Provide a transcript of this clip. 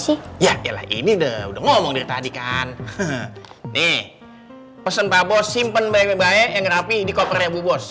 sih yaelah ini udah ngomong dari tadi kan hehehe di pesan babos simpen baik baik yang